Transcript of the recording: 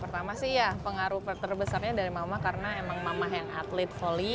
pertama pengaruh terbesarnya dari mama karena memang mama yang atlet volley